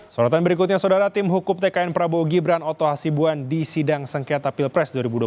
sorotan berikutnya saudara tim hukum tkn prabowo gibran oto hasibuan di sidang sengketa pilpres dua ribu dua puluh